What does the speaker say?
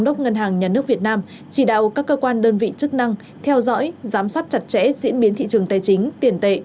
đơn vị chức năng theo dõi giám sát chặt chẽ diễn biến thị trường tài chính tiền tệ